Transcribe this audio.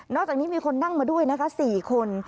จากนี้มีคนนั่งมาด้วยนะคะ๔คน